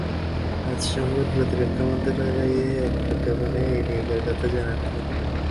আজ সোমবার প্রতিরক্ষা মন্ত্রণালয়ের এক প্রজ্ঞাপনে এই নিয়োগের কথা জানানো হয়।